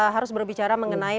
harus berbicara mengenai